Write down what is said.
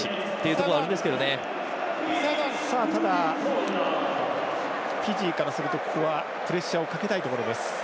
ただ、フィジーからするとプレッシャーかけたいところ。